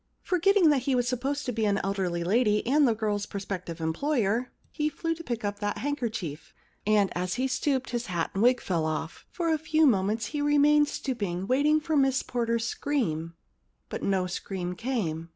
Forgetting that he was supposed to be an elderly lady and the girFs prospective em ployer, he flew to pick up that handkerchief. And as he stooped his hat and wig fell off. For a few awful moments he remained stoop ing, waiting for Miss Porter*s scream. But no scream came.